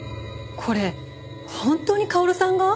これ本当に薫さんが？